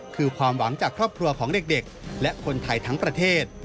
คือความหวังจากครอบครัวของเด็กและคนไทยทั้งประเทศ